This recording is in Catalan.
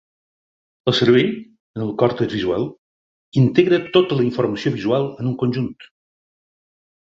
El cervell, en el còrtex visual, integra tota la informació visual en un conjunt.